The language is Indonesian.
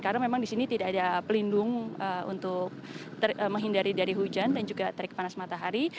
karena memang di sini tidak ada pelindung untuk menghindari dari hujan dan juga terik panas matahari